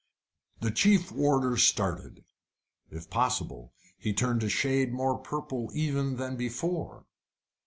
The chief warder started. If possible, he turned a shade more purple even than before.